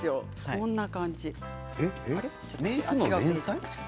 こんな感じです。